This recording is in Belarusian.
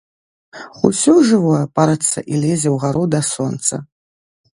Усё жывое парыцца і лезе ў гару да сонца.